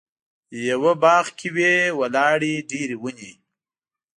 یوه باغ کې وې ولاړې ډېرې ونې.